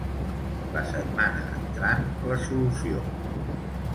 La setmana entrant, la solució.